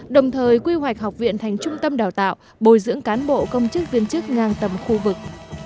đồng thời quy hoạch học viện thành trung tâm đào tạo bồi dưỡng cán bộ công chức viên chức ngang tầm khu vực